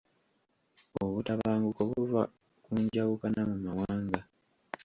Obutabanguko buva ku njawukana mu mawanga.